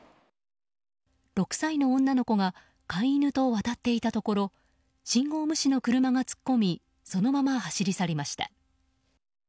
６歳の女の子が飼い犬と渡っていたところ信号無視の車が突っ込みそのまま走り去りました。